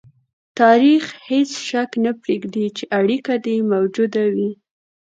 تاریخ هېڅ شک نه پرېږدي چې اړیکه دې موجوده وي.